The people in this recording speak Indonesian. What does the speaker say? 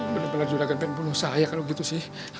bener bener juragan pengen bunuh saya kalau gitu sih